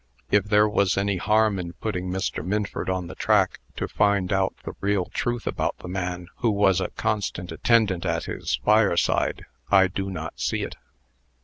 If there was any harm in putting Mr. Minford on the track to find out the real truth about the man who was a constant attendant at his fireside, I do not see it."